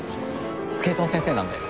スケートの先生なんで。